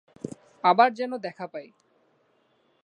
আবার যেন দেখা পাই।